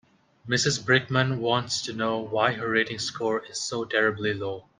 Mrs Brickman wants to know why her rating score is so terribly low.